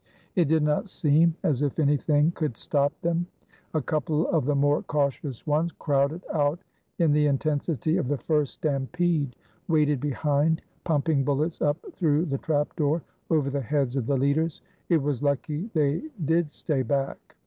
It did not seem as if anything could stop them. A couple of the more cautious ones, crowded out in the intensity of the first stampede, waited behind, pumping bullets up through the trapdoor, over the heads of the leaders. It was lucky they did stay back.